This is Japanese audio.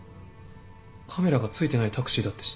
カメラがついてないタクシーだって知ってた？